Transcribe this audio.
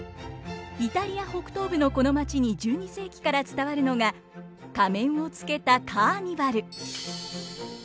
イタリア北東部のこの街に１２世紀から伝わるのが仮面をつけたカーニバル。